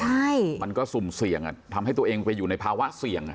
ใช่มันก็สุ่มเสี่ยงอ่ะทำให้ตัวเองไปอยู่ในภาวะเสี่ยง